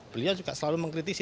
beliau juga selalu mengkritisi